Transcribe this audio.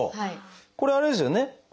これあれですよね。